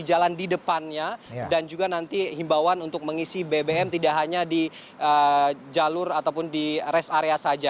jalan di depannya dan juga nanti himbawan untuk mengisi bbm tidak hanya di jalur ataupun di rest area saja